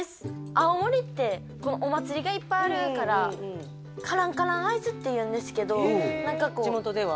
青森ってお祭りがいっぱいあるからカランカランアイスっていうんですけど地元では？